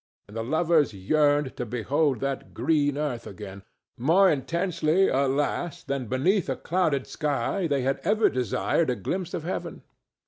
And the lovers yearned to behold that green earth again—more intensely, alas! than beneath a clouded sky they had ever desired a glimpse of heaven.